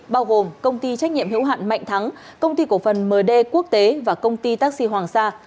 bao gồm công ty trách nhiệm hữu hạn mạnh thắng công ty cổ phần md quốc tế và công ty taxi hoàng sa